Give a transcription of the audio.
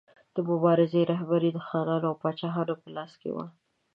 د مبارزې رهبري د خانانو او پاچاهانو په لاس کې وه.